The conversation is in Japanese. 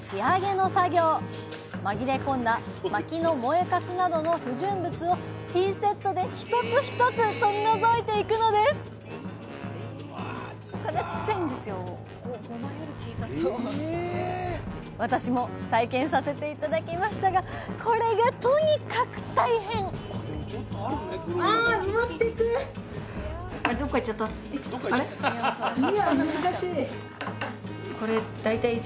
紛れ込んだまきの燃えかすなどの不純物をピンセットで一つ一つ取り除いていくのです私も体験させて頂きましたがこれがとにかく大変！っていう塩ですね。